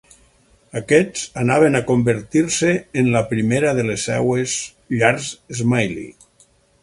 Aquests anaven a convertir-se en la primera de les seves "llars Smyly".